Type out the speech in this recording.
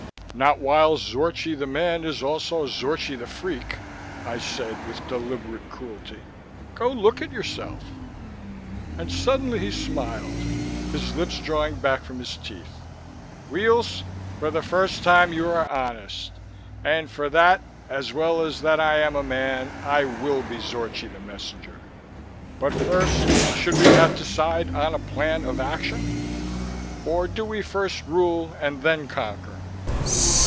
"Not while Zorchi the man is also Zorchi the freak," I said with deliberate cruelty. "Go look at yourself." And suddenly he smiled, his lips drawing back from his teeth. "Weels, for the first time you are honest. And for that as well as that I am a man, I will be Zorchi the messenger. But first, should we not decide on a plan of action? Or do we first rule and then conquer?"